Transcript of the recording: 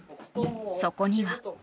そこには。